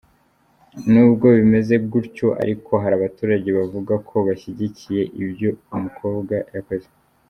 Nubwo bimeze gutyo ariko hari abaturage bavuga ko bashyigikiye ibyo uyu mukobwa yakoze.